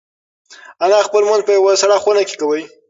انا خپل لمونځ په یوه سړه خونه کې کاوه.